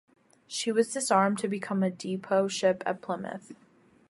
She was disarmed to become a depot ship at Plymouth.